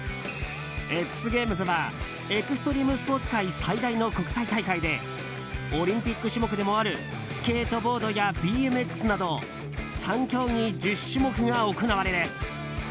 ＸＧＡＭＥＳはエクストリームスポーツ界最大の国際大会でオリンピック種目でもあるスケートボードやＢＭＸなど３競技１０種目が行われる。